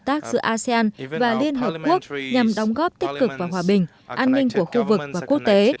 asean và liên hợp quốc nhằm đóng góp tích cực và hòa bình an ninh của khu vực và quốc tế